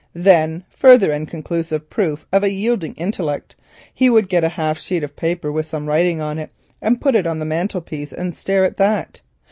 Then—further and conclusive proof of a yielding intellect—he would get a half sheet of paper with some writing on it and put it on the mantelpiece and stare at that.